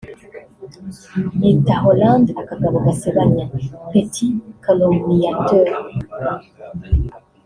yita Hollande akagabo gasebanya (petit calomniateur)